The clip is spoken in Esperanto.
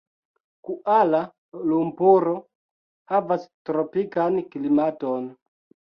Kuala-Lumpuro havas tropikan klimaton.